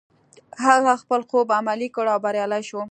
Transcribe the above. هغه خپل خوب عملي کړ او بريالی شو.